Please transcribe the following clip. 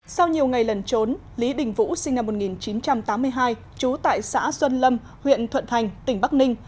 sau nhiều ngày lần trốn lý đình vũ sinh năm một nghìn chín trăm tám mươi hai trú tại xã xuân lâm huyện thuận thành tỉnh bắc ninh